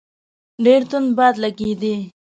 ډېر توند باد لګېدی.